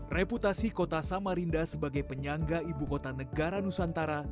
reputasi kota samarinda sebagai penyangga ibu kota negara nusantara